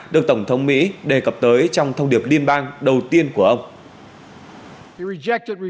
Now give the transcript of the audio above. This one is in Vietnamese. được tổng thống mỹ đề cập tới trong thông điệp liên bang đầu tiên của ông